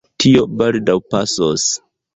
Tio baldaŭ pasos.